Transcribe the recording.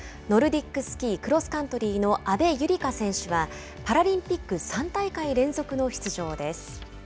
ノルディックスキークロスカントリーの阿部友里香選手はパラリンピック３大会連続の出場です。